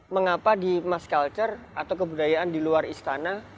mengapa di mass culture atau kebudayaan di luar istana